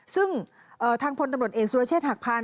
ซึ่งทางพลตำรวจเอกสุรเชษฐหักพาน